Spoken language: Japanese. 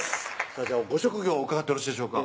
それではご職業伺ってよろしいでしょうか？